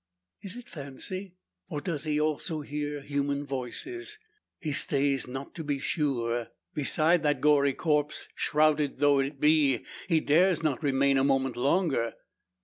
Is it fancy, or does he also hear human voices? He stays not to be sure. Beside that gory corpse, shrouded though it be, he dares not remain a moment longer.